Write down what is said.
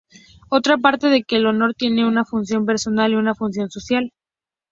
Otra parte de que el honor tiene una función personal y una función social.